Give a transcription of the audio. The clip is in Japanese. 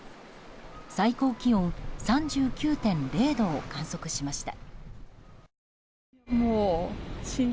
最高気温３９．０度を観測しました。